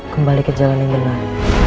kembali ke jalan yang benar